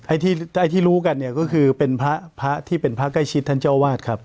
ไอ้ที่รู้กันเนี่ยก็คือเป็นพระพระที่เป็นพระใกล้ชิดท่านเจ้าวาดครับ